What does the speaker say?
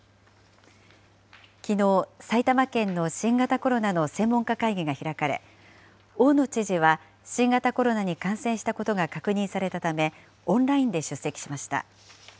きのう、埼玉県の新型コロナの専門家会議が開かれ、大野知事は新型コロナに感染したことが確認されたため、オンラインで出席しました。